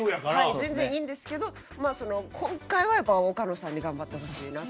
全然いいんですけど今回は岡野さんに頑張ってほしいなと。